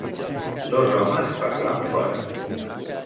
Dos homes parlant fora